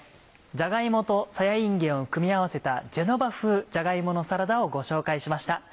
じゃが芋とさやいんげんを組み合わせた「ジェノバ風じゃが芋のサラダ」をご紹介しました。